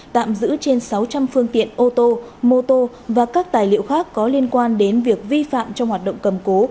tạm giữ trên sáu trăm linh phương tiện ô tô mô tô và các tài liệu khác có liên quan đến việc vi phạm trong hoạt động cầm cố